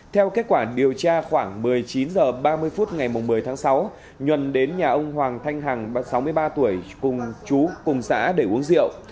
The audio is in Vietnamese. theo kết quả điều tra khoảng một mươi chín h ba mươi phút ngày một mươi tháng sáu nhuần đến nhà ông hoàng thanh hằng sáu mươi ba tuổi cùng chú cùng xã để uống rượu